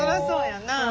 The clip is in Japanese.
そうやな。